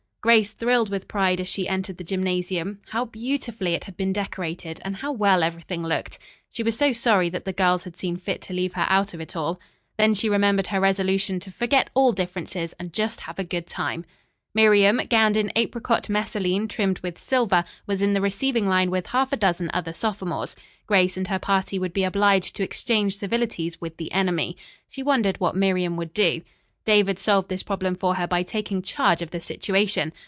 Grace thrilled with pride as she entered the gymnasium. How beautifully it had been decorated and how well everything looked. She was so sorry that the girls had seen fit to leave her out of it all. Then she remembered her resolution to forget all differences and just have a good time. Miriam, gowned in apricot messaline trimmed with silver, was in the receiving line with half a dozen other sophomores. Grace and her party would be obliged to exchange civilities with the enemy. She wondered what Miriam would do. David solved this problem for her by taking charge of the situation.